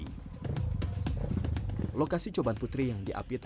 lokasi coban putri yang diapit oleh kota batu adalah kota yang terkenal di kota batu